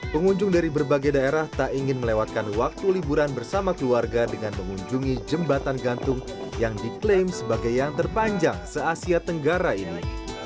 pengunjung dari berbagai daerah tak ingin melewatkan waktu liburan bersama keluarga dengan mengunjungi jembatan gantung yang diklaim sebagai yang terpanjang se asia tenggara ini